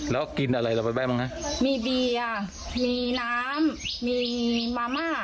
แล้วกินอะไรเราไปบ้างฮะมีเบียร์มีน้ำมีมาม่า